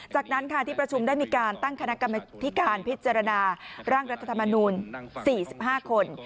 จากนั้นค่ะที่ประชุมได้มีการตั้งคณะกรรมธิการพิจารณาร่างรัฐธรรมนูล๔๕คน